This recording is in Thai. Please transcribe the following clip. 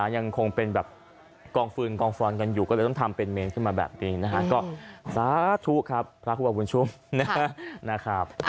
ยังคงเป็นแบบกองฟืนกองฟอนกันอยู่ก็เลยต้องทำเป็นเมนขึ้นมาแบบนี้นะฮะก็สาธุครับพระครูบาบุญชุมนะครับ